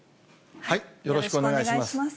よろしくお願いします。